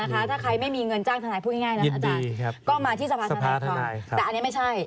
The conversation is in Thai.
ถ้าใครไม่มีเงินจ้างทนายพูดง่ายนะอาจารย์ก็มาที่สภาธนาครองแต่อันนี้ไม่ใช่